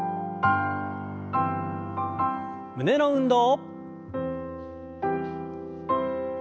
胸の運動。